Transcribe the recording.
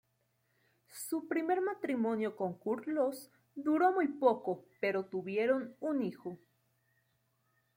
Su primer matrimonio con Kurt Loose duró muy poco pero tuvieron un hijo.